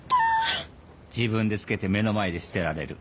自分で付けて目の前で捨てられる。